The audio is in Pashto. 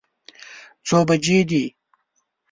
څو بجې دي؟